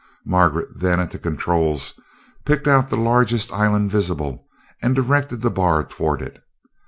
Margaret, then at the controls, picked out the largest island visible and directed the bar toward it.